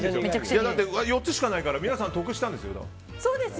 ４つしかないから皆さん得したんですよ。